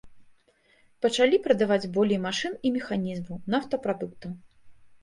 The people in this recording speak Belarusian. Пачалі прадаваць болей машын і механізмаў, нафтапрадуктаў.